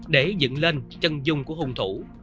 để dựng lên chân dung của hung thủ